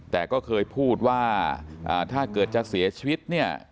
แต่ก็เคยพูดว่าถ้าเกิดจะเสียชีวิตเนี่ย